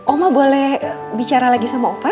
oma boleh bicara lagi sama ova